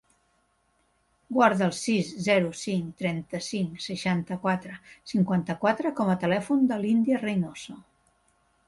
Guarda el sis, zero, cinc, trenta-cinc, seixanta-quatre, cinquanta-quatre com a telèfon de l'Índia Reinoso.